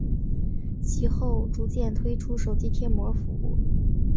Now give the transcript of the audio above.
其后逐渐推出手机贴膜服务。